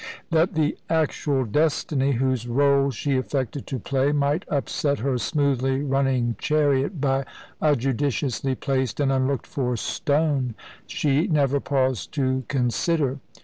That the actual Destiny, whose rôle she affected to play, might upset her smoothly running chariot by a judiciously placed and unlooked for stone, she never paused to consider.